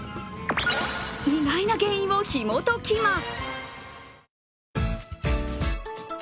意外な原因をひもときます。